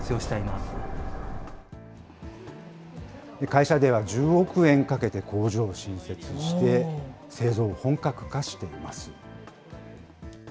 会社では１０億円かけて工場を新設して、製造を本格化しています。